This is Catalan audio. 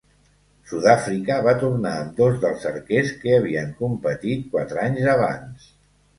Sud-àfrica va tornar amb dos dels arquers que havien competit quatre anys abans.